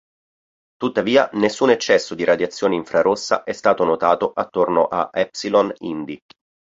Tuttavia, nessun eccesso di radiazione infrarossa è stato notato attorno a Epsilon Indi.